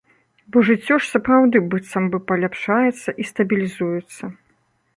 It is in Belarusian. Бо жыццё ж сапраўды быццам бы паляпшаецца і стабілізуецца.